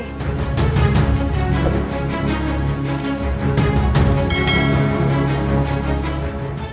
baiklah kalau begitu